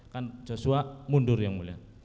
kan joshua mundur yang mulia